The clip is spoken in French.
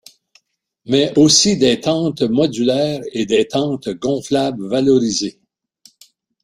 Mais aussi des tentes modulaires et des Tentes Gonflables Valorisées.